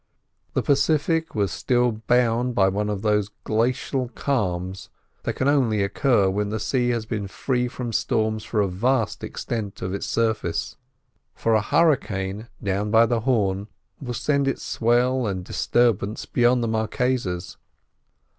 The Pacific was still bound by one of those glacial calms that can only occur when the sea has been free from storms for a vast extent of its surface, for a hurricane down by the Horn will send its swell and disturbance beyond the Marquesas.